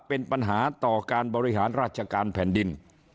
เป็นปัญหาต่อการบริหารราชการแผ่นดิน